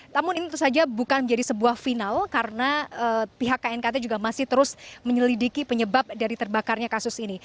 namun ini tentu saja bukan menjadi sebuah final karena pihak knkt juga masih terus menyelidiki penyebab dari terbakarnya kasus ini